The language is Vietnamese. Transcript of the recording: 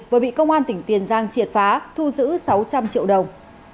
vừa bị công an tỉnh tiền giang triệt phá thu giữ sáu trăm linh triệu đồng